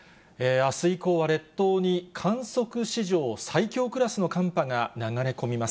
あす以降は列島に観測史上最強クラスの寒波が流れ込みます。